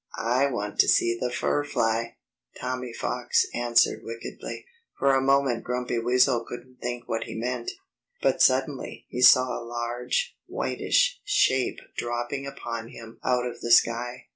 "I want to see the fur fly," Tommy Fox answered wickedly. For a moment Grumpy Weasel couldn't think what he meant. But suddenly he saw a large whitish shape dropping upon him out of the sky.